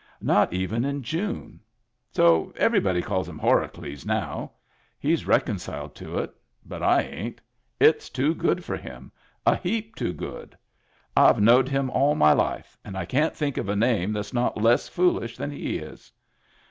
Not even in June. So everybody calls him Horacles now. He's reconciled to it But I ain't It's too good for him. A heap too good. I've knowed him all my life, and I can't think of a name that's not less foolish than he is.